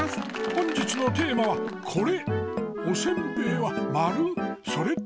本日のテーマはこれ！